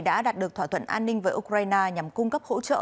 đã đạt được thỏa thuận an ninh với ukraine nhằm cung cấp hỗ trợ